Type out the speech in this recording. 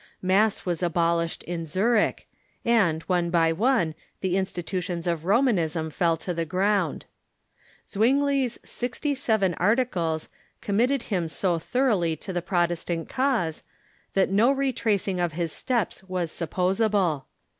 Mass was abolished in Zurich, and, one by one, the institutions of Romanism fell to tiie ground. Zwingli's "Sixty seven Ar ticles" committed him so thoroughly to the Protestant cause that no retracing of his steps was supposable.